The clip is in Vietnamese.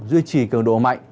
duy trì cường độ mạnh